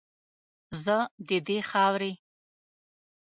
زه ددې خاورې